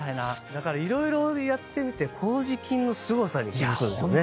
だから色々やってみて麹菌のすごさに気付くんですよね。